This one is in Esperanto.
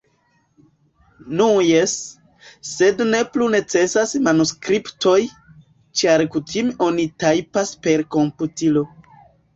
Nu jes, sed ne plu necesas manuskriptoj, ĉar kutime oni tajpas per komputilo.